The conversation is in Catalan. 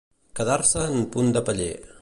Quedar-se en punt de peller.